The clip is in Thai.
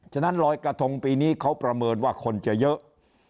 ฉะนั้นลอยกระทงปีนี้เขาประเมินว่าคนจะเยอะ